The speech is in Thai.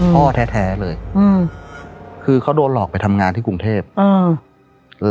พ่อแท้แท้เลยอืมคือเขาโดนหลอกไปทำงานที่กรุงเทพอ่า